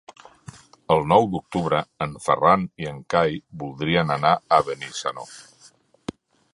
El nou d'octubre en Ferran i en Cai voldrien anar a Benissanó.